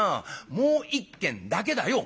もう一軒だけだよ」。